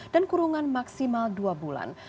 dan kurungan maksimal dua bulan